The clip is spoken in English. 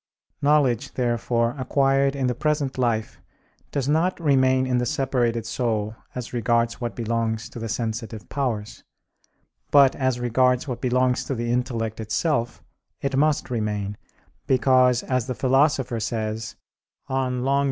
Knowledge, therefore, acquired in the present life does not remain in the separated soul, as regards what belongs to the sensitive powers; but as regards what belongs to the intellect itself, it must remain; because, as the Philosopher says (De Long.